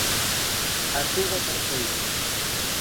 Artigo terceiro.